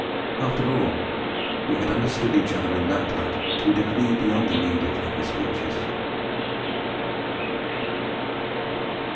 After all, we had understood each other in that hut to a degree beyond the need of heavy speeches.